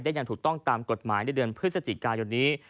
อย่างถูกต้องตามกฎหมายในเดือนพฤศจิกายนนี้